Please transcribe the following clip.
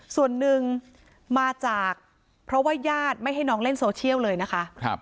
ส่วนหนึ่งมาจากเพราะว่าญาติไม่ให้น้องเล่นโซเชียลเลยนะคะ